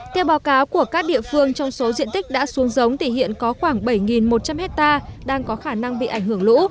theo báo cáo của các địa phương trong số diện tích đã xuống giống thì hiện có khoảng bảy một trăm linh hectare đang có khả năng bị ảnh hưởng lũ